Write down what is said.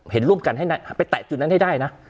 เห็นร่วมกันให้ไปแตะจุดนั้นให้ได้นะ